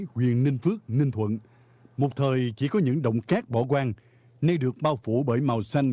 quyền ninh phước ninh thuận một thời chỉ có những động cát bỏ quang nay được bao phủ bởi màu xanh